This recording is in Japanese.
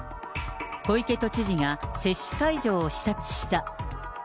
小池都知事が接種会場を視察した。